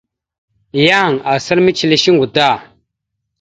Yan asal mecəle shuŋgo da.